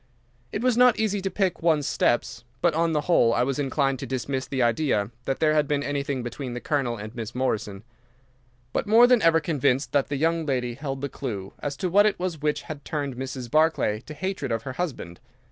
It was not easy to pick one's steps, but, on the whole, I was inclined to dismiss the idea that there had been anything between the Colonel and Miss Morrison, but more than ever convinced that the young lady held the clue as to what it was which had turned Mrs. Barclay to hatred of her husband.